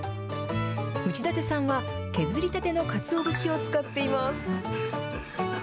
内館さんは削りたてのかつお節を使っています。